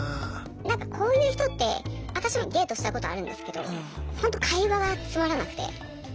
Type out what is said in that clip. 何かこういう人って私もデートしたことあるんですけどほんと会話がつまらなくて。